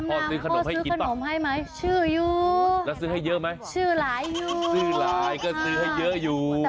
เป็นดำนามาเหรออีหนู